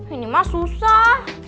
ini mah susah